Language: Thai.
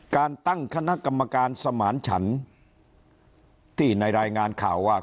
การตั้งคณะกรรมการสมานฉันที่ในรายงานข่าวว่า